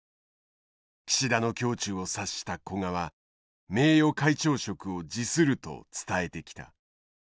岸田の胸中を察した古賀は名誉会長職を辞すると伝えてきた。